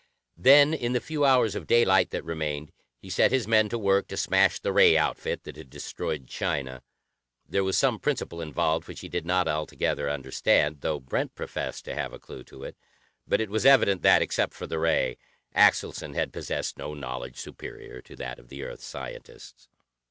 Then, in the few hours of daylight that remained, he set his men to work to smash the ray outfit that had destroyed China. There was some principle involved which he did not altogether understand, though Brent professed to have a clue to it, but it was evident that, except for the ray, Axelson had possessed no knowledge superior to that of the Earth scientists.